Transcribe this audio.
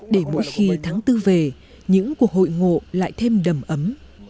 để mỗi khi tháng tư về những cuộc hội ngộ lại thêm đầm ấm